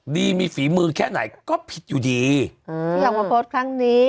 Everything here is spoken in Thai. ดีมีฝีมือแค่ไหนก็ผิดอยู่ดีที่ออกมาโพสต์ครั้งนี้